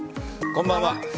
こんばんは。